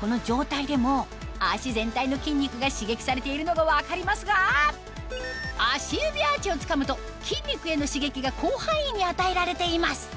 この状態でも脚全体の筋肉が刺激されているのが分かりますが足指アーチをつかむと筋肉への刺激が広範囲に与えられています